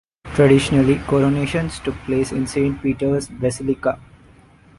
Traditionally, coronations took place in Saint Peter's Basilica.